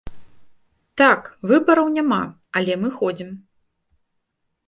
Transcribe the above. Так, выбараў няма, але мы ходзім.